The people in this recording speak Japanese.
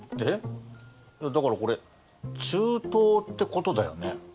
だからこれ中東ってことだよね？